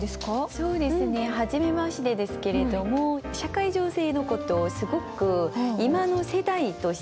そうですねはじめましてですけれども社会情勢のことをすごく今の世代として代弁してる。